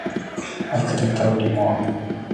I couldn't agree more.